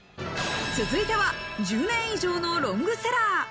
続いては１０年以上のロングセラー。